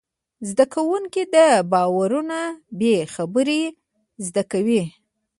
زدهکوونکي دا باورونه بېخبري زده کوي.